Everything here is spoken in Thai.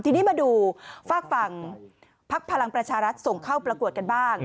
ทีนี้มาดูฝากฝั่งพักพลังประชารัฐส่งเข้าประกวดกันบ้าง